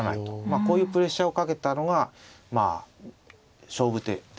こういうプレッシャーをかけたのがまあ勝負手ですね。